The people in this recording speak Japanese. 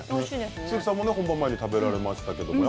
鈴木さんも本番前に食べられましたけど。